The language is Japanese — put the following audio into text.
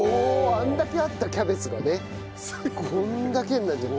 あんだけあったキャベツがねこんだけになっちゃった。